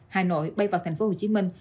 hà nội bay vào thành phố hồ chí minh